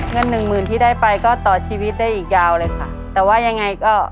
เงินหนึ่งหมื่นที่ได้ไปก็ต่อชีวิตได้อีกยาวเลยค่ะแต่ว่ายังไงก็